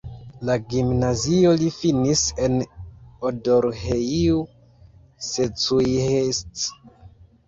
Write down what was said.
La gimnazion li finis en Odorheiu Secuiesc.